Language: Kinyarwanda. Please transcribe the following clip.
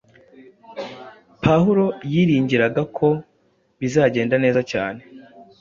Pawulo yiringiraga ko bizagenda neza cyane,